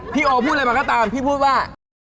พี่โอพูดแล้วก็ตามพี่พูดว่า